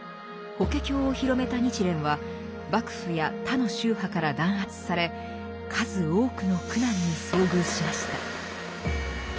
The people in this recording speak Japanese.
「法華経」を広めた日蓮は幕府や他の宗派から弾圧され数多くの苦難に遭遇しました。